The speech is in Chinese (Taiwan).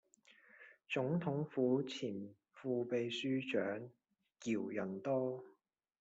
總統府前副祕書長姚人多